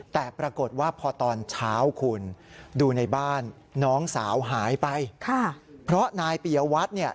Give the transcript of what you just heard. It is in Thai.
แต่ปรากฏว่าพอตอนเช้าคุณดูในบ้านน้องสาวหายไป